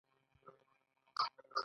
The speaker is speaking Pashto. د مزدور حق دي پر وخت ورکول سي.